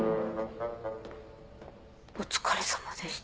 お疲れさまです！